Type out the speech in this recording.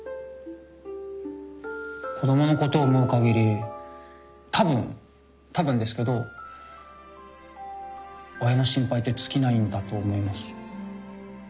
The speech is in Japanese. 子供のことを思うかぎりたぶんたぶんですけど親の心配って尽きないんだと思います。